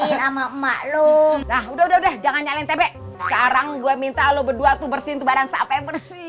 sama maklum udah jangan nyari tebek sekarang gue minta lo berdua tuh bersih barang sampai bersih